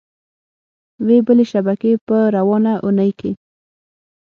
وې بلې شبکې په روانه اونۍ کې